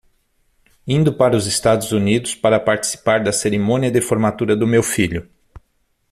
Indo para os Estados Unidos para participar da cerimônia de formatura do meu filho